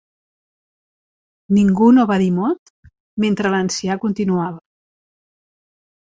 Ningú no va dir mot mentre l'ancià continuava.